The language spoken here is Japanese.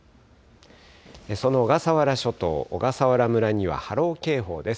その小笠原諸島、小笠原村には波浪警報です。